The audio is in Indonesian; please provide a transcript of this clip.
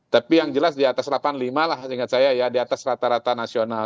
tapi yang jelas di atas delapan puluh lima lah seingat saya ya di atas rata rata nasional